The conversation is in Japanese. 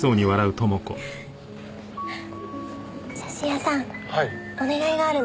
写真屋さんお願いがあるの。